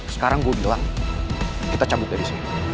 sekarang gue bilang kita cabut dari sini